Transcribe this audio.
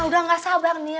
udah gak sabar nih